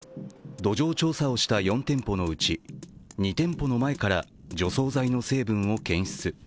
神奈川県によると、土壌調査をした４店舗のうち、２店舗の前から除草剤の成分を検出。